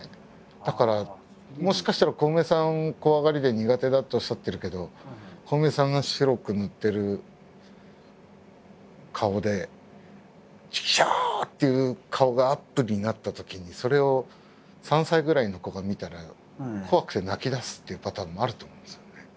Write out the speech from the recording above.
だからもしかしたらコウメさん怖がりで苦手だとおっしゃってるけどコウメさんが白く塗ってる顔で「チクショー！！」っていう顔がアップになったときにそれを３歳ぐらいの子が見たら怖くて泣きだすっていうパターンもあると思うんですよね。